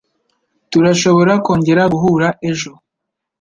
Turashobora kongera guhura ejo?